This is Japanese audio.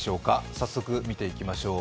早速、見ていきましょう。